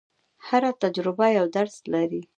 هره تجربه یو درس لري.